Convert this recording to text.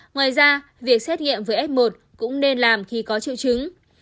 ngoài ra việc xét nghiệm với f một cũng nên làm khi có triệu chứng